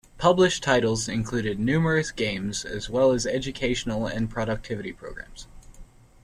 Published titles included numerous games as well as educational and productivity programs.